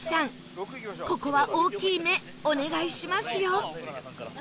ここは大きい目お願いしますよ